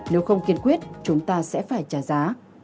nếu không kiên quyết chúng ta sẽ phải trả giá